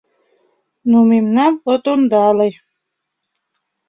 Но мемнам от ондале.